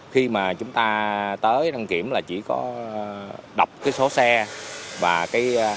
khi mà chúng ta tới đăng kiểm là chỉ có đọc cái số xe và cái